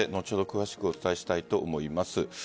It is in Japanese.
詳しくお伝えしたいと思います。